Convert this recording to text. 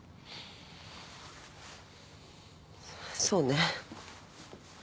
そうね。